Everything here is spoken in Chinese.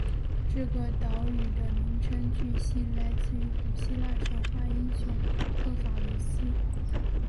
这个岛屿的名称据信来自于古希腊神话英雄刻法罗斯。